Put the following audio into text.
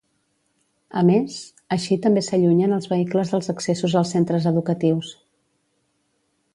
A més, així també s’allunyen els vehicles dels accessos als centres educatius.